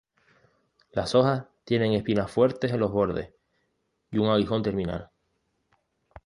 Las hojas tienen espinas fuertes en los bordes y un aguijón terminal.